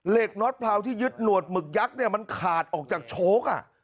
น็อตพราวที่ยึดหนวดหมึกยักษ์เนี่ยมันขาดออกจากโชค